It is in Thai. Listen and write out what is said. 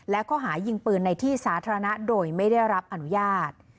และข้อหายิงปืนในที่สาธารณะโดยไม่ได้รับอนุญาต